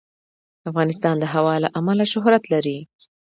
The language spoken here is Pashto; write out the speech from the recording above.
افغانستان د هوا له امله شهرت لري.